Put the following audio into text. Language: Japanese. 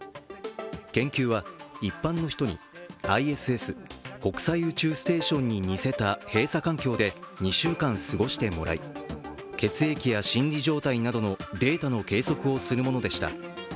研究は一般の人にＩＳＳ＝国際宇宙ステーションに似せた閉鎖環境で２週間過ごしてもらい血液や心理状態などのデータの計測をするものでした。